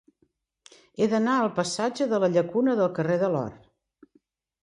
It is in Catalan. He d'anar del passatge de la Llacuna al carrer de l'Or.